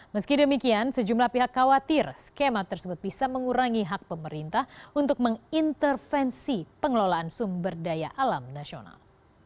meski demikian sejumlah pihak khawatir skema tersebut bisa mengurangi hak pemerintah untuk mengintervensi pengelolaan sumber daya alam nasional